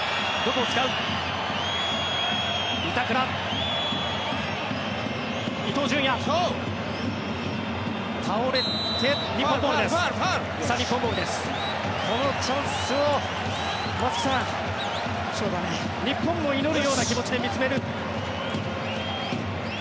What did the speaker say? このチャンスを松木さん日本も祈るような気持ちで見つめる。